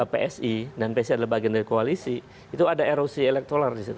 psi dan psi adalah bagian dari koalisi itu ada erosi elektoral di situ